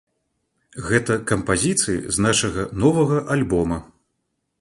Гэта кампазіцыі з нашага новага альбома.